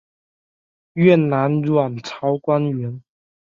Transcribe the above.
越南阮朝官员。